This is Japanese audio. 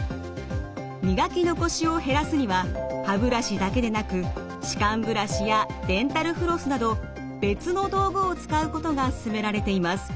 磨き残しを減らすには歯ブラシだけでなく歯間ブラシやデンタルフロスなど別の道具を使うことが勧められています。